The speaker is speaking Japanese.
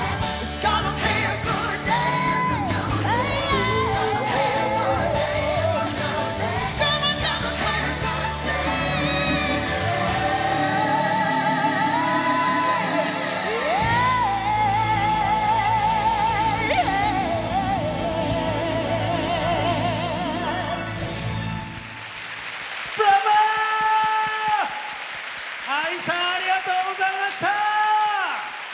ＡＩさんありがとうございました！